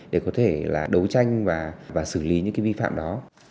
để có thể là đấu tranh và xử lý những cái vi phạm đó